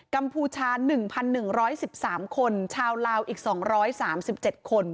กมชา๑๑๑๑๓คนชาวลาวอีก๒๓๗คน